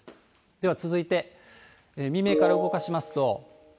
では続いて未明から動かしますと。